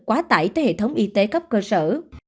quá tải tới hệ thống y tế cấp cơ sở